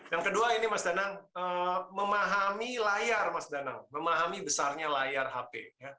yang kedua ini mas danang memahami layar mas danang memahami besarnya layar hp